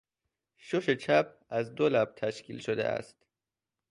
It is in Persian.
شش چپ از دو لب تشکیل شده است.